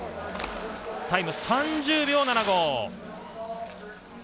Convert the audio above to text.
タイム３０秒７５。